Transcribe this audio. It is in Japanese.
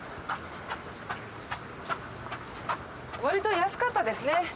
わりと安かったですね！